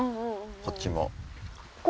こっちも。